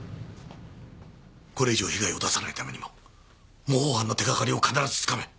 これ以上被害を出さないためにも模倣犯の手がかりを必ずつかめ。